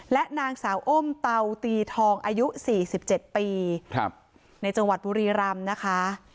และนางสาวอ้มเตาตีทองอายุ๔๗ปีในจังหวัดบุรีรำนะคะ